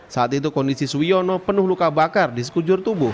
saat itu kondisi suwiono penuh luka bakar di sekujur tubuh